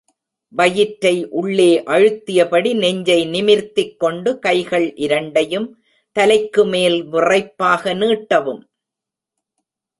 வயிற்றை உள்ளே அழுத்தியபடி நெஞ்சை நிமிர்த்திக் கொண்டு கைகள் இரண்டையும் தலைக்கு மேல் விறைப்பாக நீட்டவும்.